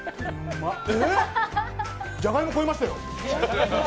え、じゃがいも超しましたよ。